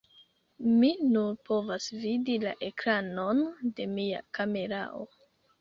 Mi nur povas vidi la ekranon de mia kamerao